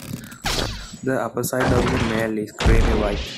The upperside of the male is creamy white.